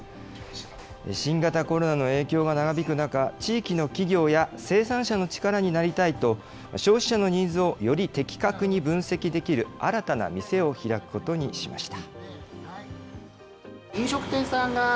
新型コロナの影響が長引く中、地域の企業や生産者の力になりたいと、消費者のニーズをより的確に分析できる新たな店を開くことにしました。